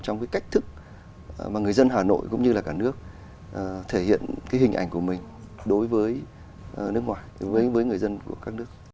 trong cái cách thức mà người dân hà nội cũng như là cả nước thể hiện cái hình ảnh của mình đối với nước ngoài đối với người dân của các nước